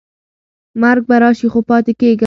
مرګ به راشي خو پاتې کېږم.